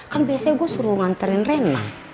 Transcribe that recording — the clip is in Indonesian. kan biasanya gua suruh nganterin rena